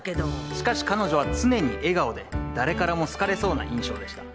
しかし彼女は常に笑顔で誰からも好かれそうな印象でした。